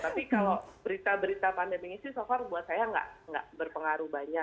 tapi kalau berita berita pandemi ini sih so far buat saya nggak berpengaruh banyak